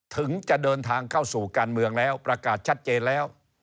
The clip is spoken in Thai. ถึงจะเดินทางเข้าสู่การเมืองแล้ว